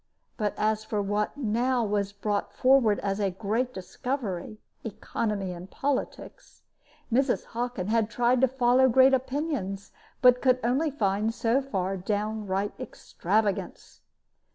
But as for what was now brought forward as a great discovery economy in politics Mrs. Hockin had tried to follow great opinions, but could only find, so far, downright extravagance.